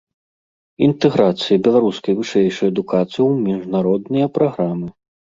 Інтэграцыя беларускай вышэйшай адукацыі ў міжнародныя праграмы.